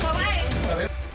aku mau bawa eh